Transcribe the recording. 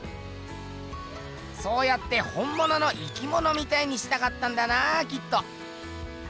そうやってほんものの生きものみたいにしたかったんだなきっと。